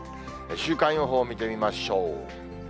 週間予報を見てみましょう。